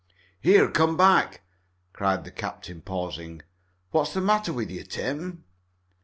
"Here! Come back!" cried the captain, pausing. "What's the matter with you, Tim?"